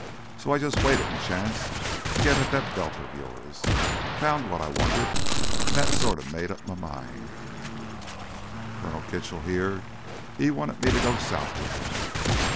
So I just waited m' chance to get at that belt of yours. Found what I wanted—an' that sorta made up m' mind. "Colonel Kitchell here, he wanted me to go south with him.